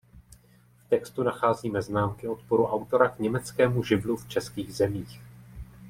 V textu nacházíme známky odporu autora k německému živlu v českých zemích.